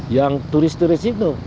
yang turis turis itu